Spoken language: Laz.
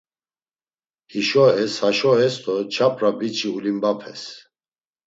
Hişo es, haşo es do ç̌ap̌ra biç̌i ulimbapes.